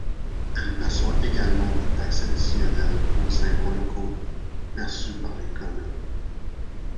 Elle perçoit également des taxes adtionnelles aux impôts locaux perçus par les communes.